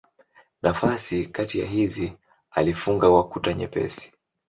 Nafasi kati ya hizi alifunga kwa kuta nyepesi.